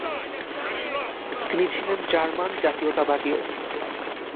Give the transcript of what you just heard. তিনি ছিলেন জার্মান জাতীয়তাবাদীও ।